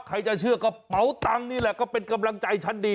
ใครจะเชื่อกระเป๋าตังค์นี่แหละก็เป็นกำลังใจชั้นดี